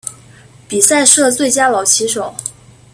比赛设最佳老棋手。